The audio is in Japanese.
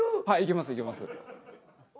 はい行けます行けます。